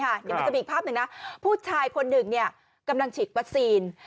เดี๋ยวมันจะมีอีกภาพหนึ่งนะผู้ชายคนหนึ่งกำลังฉีดวัคซีน